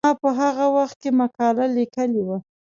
ما په هغه وخت کې مقاله لیکلې وه.